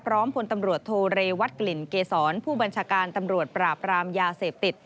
พลตำรวจโทเรวัตกลิ่นเกษรผู้บัญชาการตำรวจปราบรามยาเสพติด